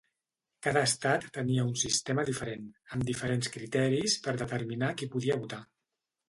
Cada estat tenia un sistema diferent, amb diferents criteris per determinar qui podia votar.